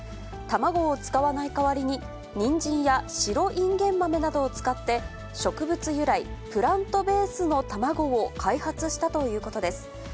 卵を使わない代わりに、にんじんや白いんげん豆などを使って、植物由来、プラントベースの卵を開発したということです。